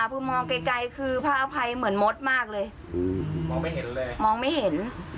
พอมองไกลคือพระอภัยเหมือนมดมากเลยมองไม่เห็นเลยมองไม่เห็น